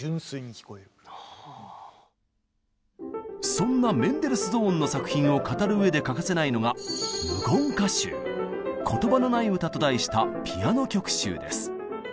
そんなメンデルスゾーンの作品を語るうえで欠かせないのが「言葉のない歌」と題したピアノ曲集です。